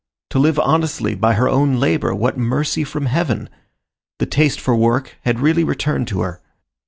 To live honestly by her own labor, what mercy from heaven! The taste for work had really returned to her.